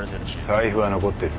財布は残ってる。